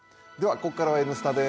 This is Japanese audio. ここからは「Ｎスタ」です。